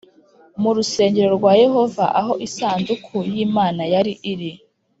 Mu rusengero rwa Yehova aho isanduku y’ Imana yari iri